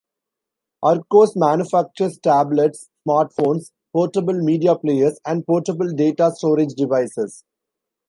Archos manufactures tablets, smartphones, portable media players and portable data storage devices.